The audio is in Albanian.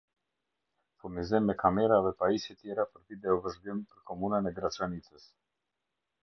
Furnizim me kamera dhe pajisje tjera për video vezhgim për komunën e graçanicës